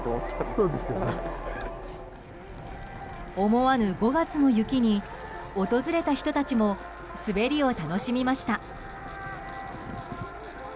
思わぬ５月の雪に訪れた人たちも滑りを楽しみました。